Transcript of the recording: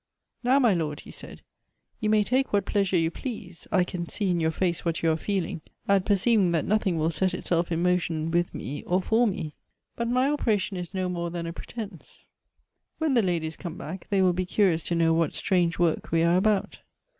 "Now, my Lord," he said, " you m.ay take what pleasure you please ( I can see in your face what you are feeling,) at perceiving that nothing will set itself in motion with me, or for me. But my operation is no more than a pretence; when the ladies come back, they will be curious to know what strange work we are .about."